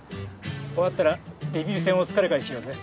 終わったらデビュー戦お疲れ会しようぜ。